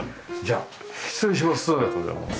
ありがとうございます。